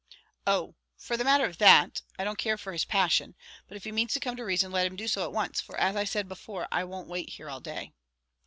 "Oh! for the matter of that, I don't care for his passion; but if he means to come to reason, let him do so at once, for as I said before, I won't wait here all day."